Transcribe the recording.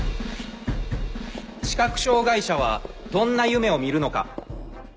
視覚障がい者はどんな夢を見るのか。